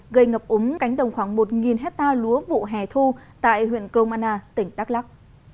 gây ngập úm cánh đồng khoảng một hectare lúa vụ hẻ thu tại huyện cromana tỉnh đắk lắc